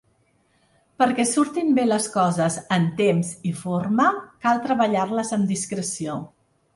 Perquè surtin bé les coses en temps i forma cal treballar-les amb discreció.